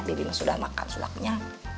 bibi sudah makan sulaknya